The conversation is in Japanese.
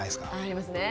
ありますね。